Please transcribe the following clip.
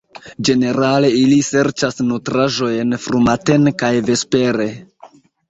Ĝenerale ili serĉas nutraĵojn frumatene kaj vespere.